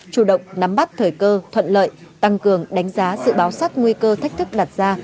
chủ động nắm bắt thời cơ thuận lợi tăng cường đánh giá sự báo sát nguy cơ thách thức đặt ra